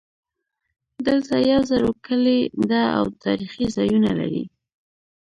دلته یو زوړ کلی ده او تاریخي ځایونه لري